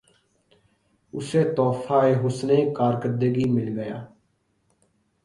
اسے تحفہِ حسنِ کارکردگی مل گیا